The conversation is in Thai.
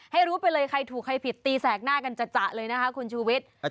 ให้รู้ไปเลยใครถูกใครผิดตีแสกหน้ากันจัดเลยนะคะคุณชูวิทย์